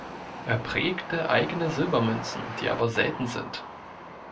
Er prägte eigene Silbermünzen, die aber selten sind.